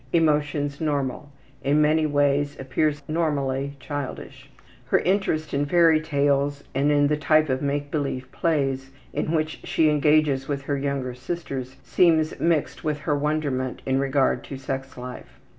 Emotions normal. In many ways appears normally childish. Her interest in fairy tales and in the type of make believe plays in which she engages with her younger sisters seems mixed with her wonderment in regard to sex life.